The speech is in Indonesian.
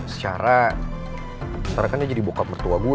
secara ntar kan dia jadi bokap bertuah gue